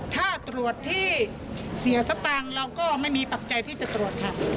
ถ้าตรวจที่เสียสตางค์เราก็ไม่มีปัจจัยที่จะตรวจค่ะ